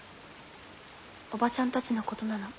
おばちゃんたちのことなの。